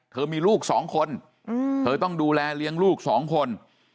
เธอมีลูกสองคนเธอต้องดูแลเลี้ยงลูกสองคน